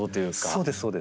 そうですそうです。